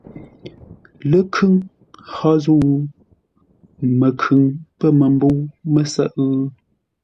Ləkhʉŋ hó zə̂u? Məkhʉŋ pə̂ məmbə̂u mə́sə́ʼə́?